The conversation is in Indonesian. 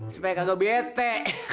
supaya kagak bete